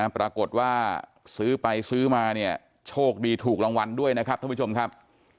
ปรากฏว่าซื้อไปซื้อมาเนี่ยโชคดีถูกรางวัลด้วยนะครับท่านผู้ชมครับ